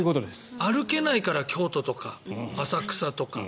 歩けないから京都とか浅草とか。